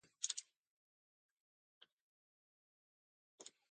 Three years later, he was sent to study electronic engineering in Bulgaria.